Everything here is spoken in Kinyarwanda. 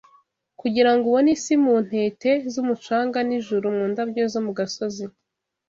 Kugirango ubone Isi mu ntete z'umucanga n'ijuru mu ndabyo zo mu gasozi